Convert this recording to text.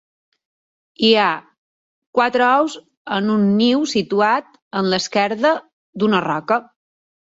Hi ha quatre ous en un niu situat en l'esquerda d'una roca.